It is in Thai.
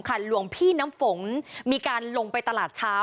หลวงพี่น้ำฝนมีการลงไปตลาดเช้า